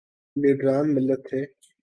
لیڈران ملت تھے۔